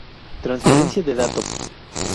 Transferencia de datos.